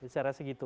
saya rasa begitu